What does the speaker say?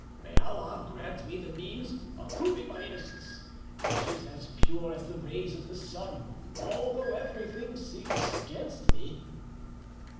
May Allah grant me the means of proving my innocence, which is as pure as the rays of the sun, although everything seems against me!"